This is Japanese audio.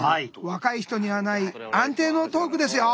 若い人にはない安定のトークですよ！